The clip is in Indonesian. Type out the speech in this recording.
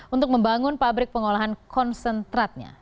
untuk membangun pabrik pengolahan konsentratnya